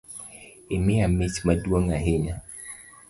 Imiya mich maduong’ ahinya